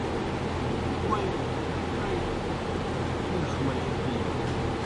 ووئی ڇے ہِیݜوْ مجیْ پِی۔